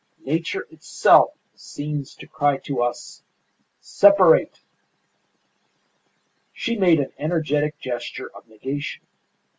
Nature itself seems to cry to us, 'Separate!'" She made an energetic gesture of negation.